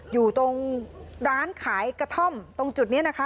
อยู่ตรงร้านขายกระท่อมตรงจุดนี้นะคะ